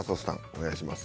お願いします。